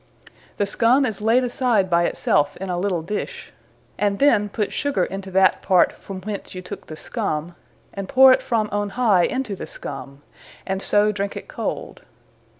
The scumme is laid aside by it selfe in a little dish; and then put sugar into that part, from whence you tooke the scumme; and powre it from on high into the scumme; and so drink it cold.